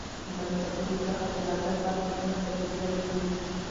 د منصبونو څخه د عزل فرمانونه صادر کړي ؤ